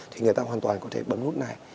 thì người ta hoàn toàn có thể bấm nút này